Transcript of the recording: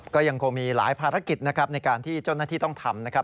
ก็ยังคงมีหลายภารกิจนะครับในการที่เจ้าหน้าที่ต้องทำนะครับ